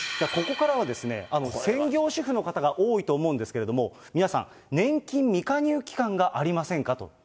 ここからはですね、専業主婦の方が多いと思うんですけど、皆さん、年金未加入期間がありませんかと。